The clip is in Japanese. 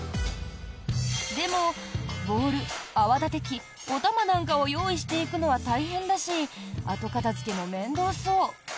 でもボウル、泡立て器、お玉なんかを用意していくのは大変だし後片付けも面倒そう。